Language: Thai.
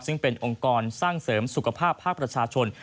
ซึ่งเป็นองค์กรสร้างเสริมสุขภาพภาคประชาชน